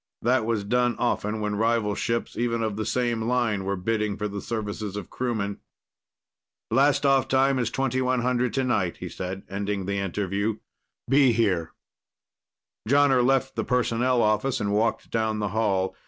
That was done often when rival ships, even of the same line, were bidding for the services of crewmen. "Blastoff time is 2100 tonight," he said, ending the interview. "Be here." Jonner left the personnel office and walked down the hall.